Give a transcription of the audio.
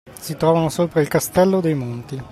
Si trovavano sopra il castello dei monti.